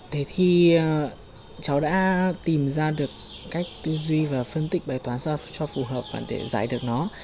để thi cháu đã tìm ra được cách tư duy và phân tích bài toán sao cho phù hợp và để giải được nó